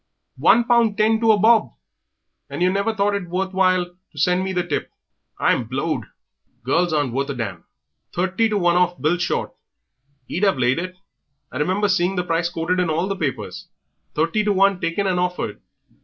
One pound ten to a bob! And yer never thought it worth while to send me the tip. I'm blowed! Girls aren't worth a damn.... Thirty to one off Bill Short he'd have laid it. I remember seeing the price quoted in all the papers. Thirty to one taken and hoffered.